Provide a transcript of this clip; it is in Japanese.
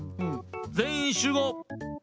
全員集合。